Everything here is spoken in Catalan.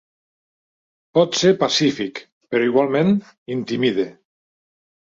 Pot ser pacífic, però igualment intimida.